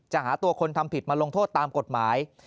หาตัวคนทำผิดมาลงโทษตามกฎหมาย